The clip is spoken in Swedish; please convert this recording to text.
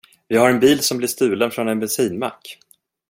Vi har en bil som blir stulen från en bensinmack.